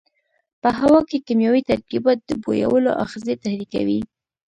په هوا کې کیمیاوي ترکیبات د بویولو آخذې تحریکوي.